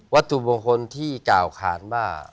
วัตถุมงคลที่กล่าวขาดว่า